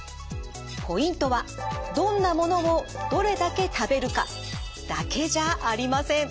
ポイントはどんなものをどれだけ食べるかだけじゃありません。